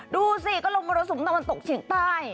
ดูสิแบบผ่านฝนตกเขียงใต้